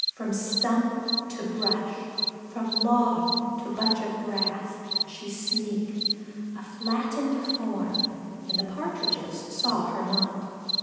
From stump to brush, from log to bunch of grass she sneaked, a flattened form, and the Partridges saw her not.